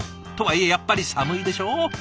とはいえやっぱり寒いでしょう。